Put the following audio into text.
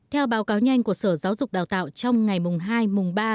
theo báo cáo nhanh của sở giáo dục đào tạo trong ngày mùng hai mùng ba